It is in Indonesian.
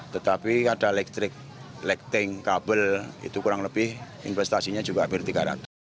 tetapi ada elektrik elekting kabel itu kurang lebih investasinya juga hampir tiga ratus